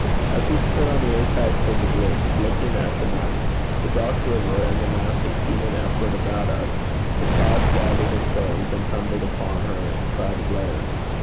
As we stood on the apex of the bridge, looking at the night, the dark river, and the mass of human effort about us, the clouds gathered and closed and tumbled upon her in crowded layers.